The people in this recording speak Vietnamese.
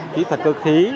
kỹ thuật cơ khí